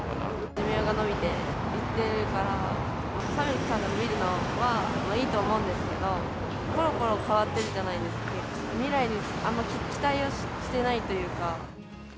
寿命も延びていってるから、納める期間が延びるのはいいと思うんですけど、ころころ変わってるじゃないですか、未来にあんまり期待はしてないというか。